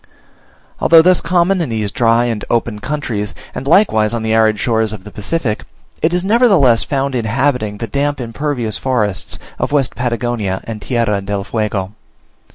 Although thus common in these dry and open countries, and likewise on the arid shores of the Pacific, it is nevertheless found inhabiting the damp impervious forests of West Patagonia and Tierra del Fuego.